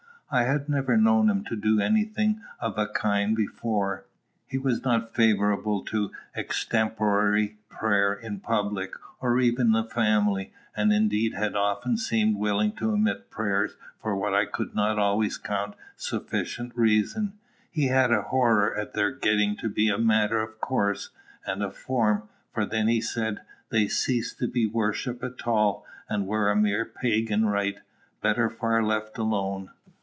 I had never known him to do any thing of the kind before. He was not favorable to extempore prayer in public, or even in the family, and indeed had often seemed willing to omit prayers for what I could not always count sufficient reason: he had a horror at their getting to be a matter of course, and a form; for then, he said, they ceased to be worship at all, and were a mere pagan rite, better far left alone.